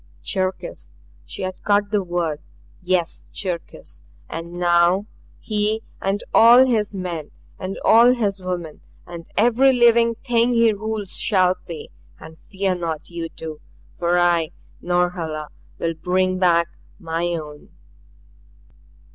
"Cherkis!" She had caught the word. "Yes Cherkis! And now he and all his men and all his women and every living thing he rules shall pay. And fear not you two. For I, Norhala, will bring back my own.